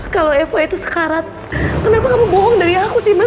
kalau eva itu sekarat kenapa kamu bohong dari aku sih mas